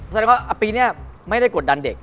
แสดงว่าปีนี้ไม่ได้กดดันเด็ก